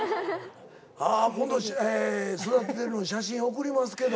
ああ今度育ててるの写真送りますけど。